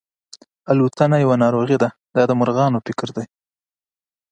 الوتنه یوه ناروغي ده دا د مرغانو فکر دی.